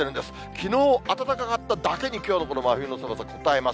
きのう暖かかっただけに、きょうの真冬の寒さ、こたえます。